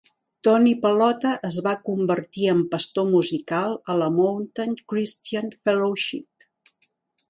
Tony Pallotta es va convertir en pastor musical a la Mountain Christian Fellowship.